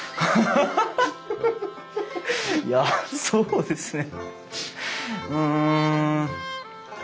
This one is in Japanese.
いやそうですねうん。